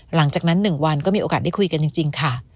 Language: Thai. หลังจากนั้น๑วันก็มีโอกาสได้คุยกันจริงค่ะ